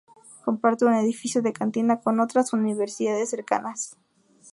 Comparte un edificio de cantina con otras universidades cercanas.